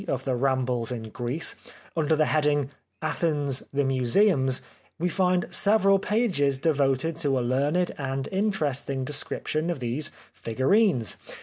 of the " Rambles in Greece/' under the heading, " Athens — The Museums/' we find several pages devoted to a learned and inter esting description of these figurines.